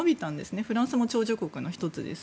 フランスも長寿国の１つです。